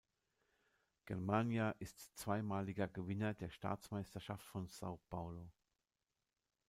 Germânia ist zweimaliger Gewinner der Staatsmeisterschaft von São Paulo.